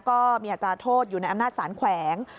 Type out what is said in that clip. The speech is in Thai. ก็มีอัตราโทษอยู่ในอำนาจสารแขวง